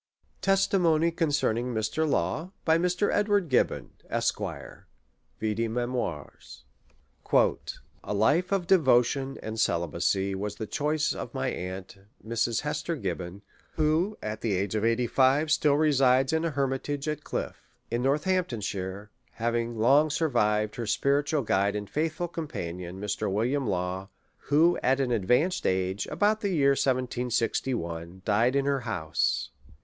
'] THE REV, W. LAW. XV Testimony concerning Mr. Law, by Edward Gibbon, Esq. ( Vide Memoirs.) " A LIFE of devotion and celibacy was tlie choice of my aunt, Mrs. Hester Gibbon, who at the age of eighty five still resides in a hermitage at Chlte, in Northamptonshire, having long survived her spiritual guide and faithful companion, Mr. William Law, wiio at an advanced age, about the year 1761, died in her house.